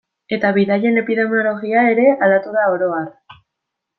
Eta bidaien epidemiologia ere aldatu da oro har.